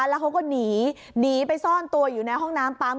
แล้วเขาก็หนีหนีไปซ่อนตัวอยู่ในห้องน้ำปั๊ม